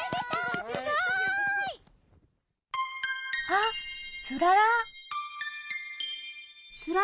あっつらら。